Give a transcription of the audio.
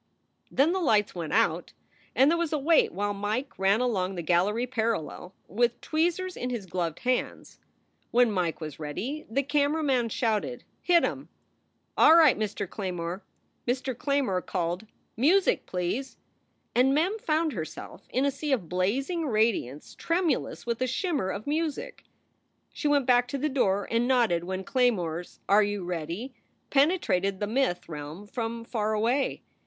Then the lights went out and there was a wait while Mike ran along the gallery parallel, with tweezers in his gloved hands. When Mike was ready the camera man shouted: "Hit em! All right, Mr. Claymore!" Mr. Claymore called, "Music, please!" And Mem found herself in a sea of blazing radiance trem ulous with a shimmer of music. She went back to the door and nodded when Claymore s "Are you ready?" penetrated the myth realm from far away.